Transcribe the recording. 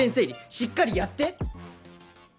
しっかりやって！